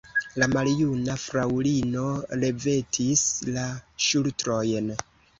La maljuna fraŭlino levetis la ŝultrojn.